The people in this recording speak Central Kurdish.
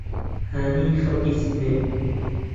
هانی خەڵکی سنەیە